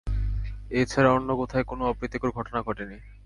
এ ছাড়া অন্য কোথায় কোনো অপ্রীতিকর ঘটনা ঘটেনি।